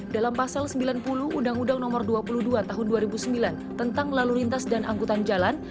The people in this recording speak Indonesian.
dalam pasal sembilan puluh undang undang nomor dua puluh dua tahun dua ribu sembilan tentang lalu lintas dan angkutan jalan